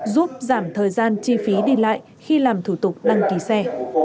giúp giảm thời gian chi phí đi lại khi làm thủ tục đăng ký xe